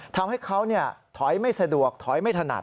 ทำให้เขาถอยไม่สะดวกถอยไม่ถนัด